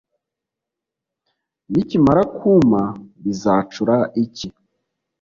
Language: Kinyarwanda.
nikimara kuma bizacura iki